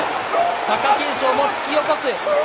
貴景勝も突き落とす。